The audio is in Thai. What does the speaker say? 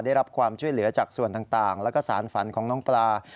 ได้รับความช่วยเหลือจากส่วนต่างแล้วก็สารฝันของน้องปลา